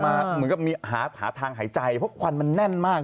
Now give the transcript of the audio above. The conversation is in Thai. เหมือนกับมีหาทางหายใจเพราะควันมันแน่นมาก